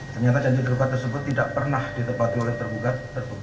ternyata janji terluka tersebut tidak pernah ditepati oleh tergugat